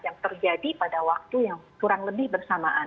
yang terjadi pada waktu yang kurang lebih bersamaan